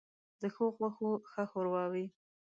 ـ د ښو غوښو ښه ښوروا وي.